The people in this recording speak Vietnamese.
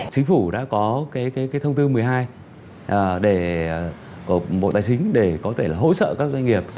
chính phủ đã có thông tư một mươi hai của bộ tài chính để có thể là hỗ trợ các doanh nghiệp